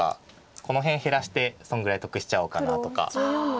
この辺減らしてそのぐらい得しちゃおうかなとか。